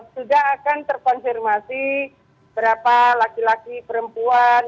sudah akan terkonfirmasi berapa laki laki perempuan